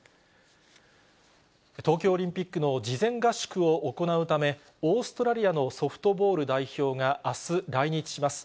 東京オリンピックの事前合宿を行うため、オーストラリアのソフトボール代表があす、来日します。